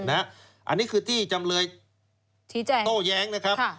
อันนี้คือที่จำเลยชี้แจงโต้แย้งนะครับ